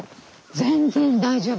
全然大丈夫。